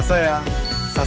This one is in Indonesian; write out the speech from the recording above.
tak ada disana